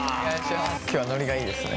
今日はノリがいいですね。